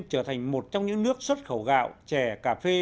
trở thành một trong những nước xuất khẩu gạo chè cà phê